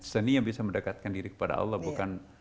seni yang bisa mendekatkan diri kepada allah bukan